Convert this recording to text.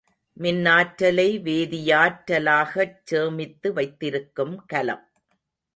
மின்னாற்றலை வேதியாற்றலாகச் சேமித்து வைத்திருக்கும் கலம்.